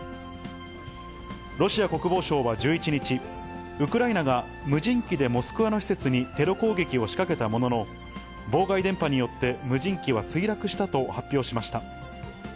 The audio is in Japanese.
ロシア国防省は１１日、ウクライナが無人機でモスクワの施設にテロ攻撃を仕掛けたものの、妨害電波によって、無人機は墜落したと発表しました。